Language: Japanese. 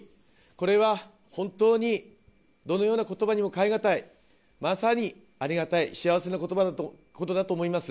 これは本当にどのようなことばにも変えがたい、まさにありがたい、幸せなことだと思います。